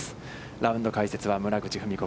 ラウンド解説は村口史子